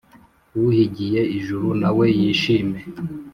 uhigiye ijuru nawe yishime